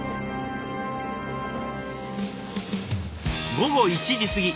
午後１時過ぎ。